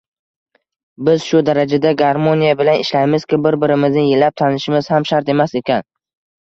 Biz shu darajada garmoniya bilan ishlaymizki, bir birimizni yillab tanishimiz ham shart emas ekan.